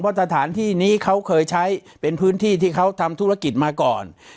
เพราะสถานที่นี้เขาเคยใช้เป็นพื้นที่ที่เขาทำธุรกิจมาก่อน